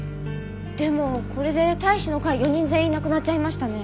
でもこれで隊士の会４人全員亡くなっちゃいましたね。